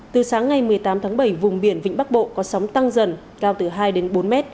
từ sáng ngày một mươi tám tháng bảy vùng biển vĩnh bắc bộ có sóng tăng dần cao từ hai đến bốn m